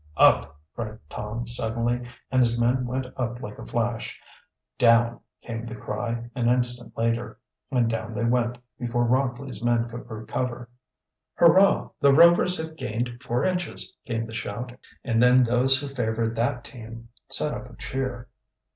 "Up!" cried Tom suddenly, and his men went up like a flash. "Down!" came the cry, an instant later, and down they went, before Rockley's men could recover. "Hurrah! the Rovers have gained four inches!" came the shout. And then those who favored that team set up a cheer.